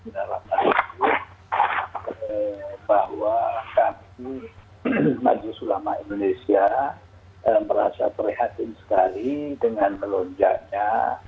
saya berharap bahwa kami majelis ulama indonesia merasa perhatian sekali dengan melonjaknya